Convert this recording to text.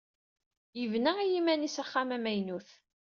Yebna i yiman-is axxam amaynut.